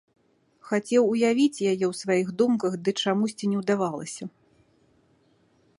Хацеў уявіць яе ў сваіх думках, ды чамусьці не ўдавалася.